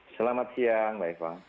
selamat siang mbak eko